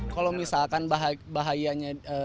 kalau misalkan bahayanya